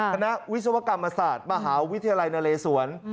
คณะวิศวกรรมอาศาสตร์มหาวิทยาลัยนาเลสวรรค์